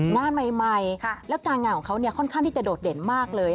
งานใหม่แล้วการงานของเขาเนี่ยค่อนข้างที่จะโดดเด่นมากเลย